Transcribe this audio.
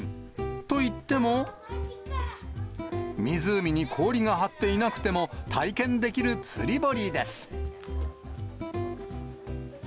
といっても湖に氷が張っていなくても体験できる釣り堀です。